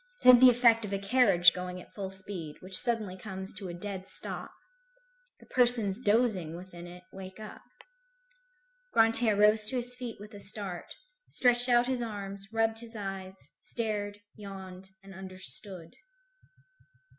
It had the effect of a carriage going at full speed, which suddenly comes to a dead stop. The persons dozing within it wake up. Grantaire rose to his feet with a start, stretched out his arms, rubbed his eyes, stared, yawned, and understood.